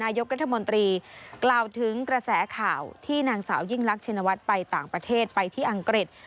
นายกรัฐมนตรีกล่าวถึงกระแสข่าวที่นางสาวยิ่งลักชินวัฒน์ไปต่างประเทศไปที่อังกฤษ